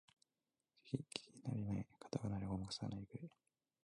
聞きなれないカタカナでごまかさないでくれ